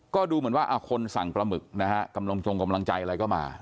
ก็ดูเหมือนว่าคนสั่งปลาหมึกนะฮะกำลังจงกำลังใจอะไรก็มา